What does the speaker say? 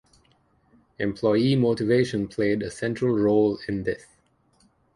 Employee motivation played a central role in this.